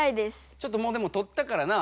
ちょっともうでもとったからな。